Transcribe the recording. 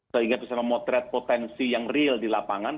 sehingga bisa memotret potensi yang real di lapangan